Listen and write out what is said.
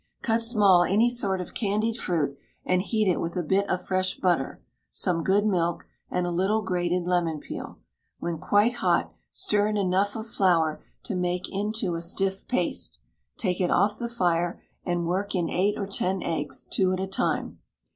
Cut small any sort of candied fruit, and heat it with a bit of fresh butter, some good milk, and a little grated lemon peel; when quite hot, stir in enough of flour to make it into a stiff paste; take it off the fire, and work in eight or ten eggs, two at a time.